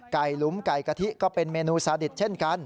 หลุมไก่กะทิก็เป็นเมนูซาดิตเช่นกัน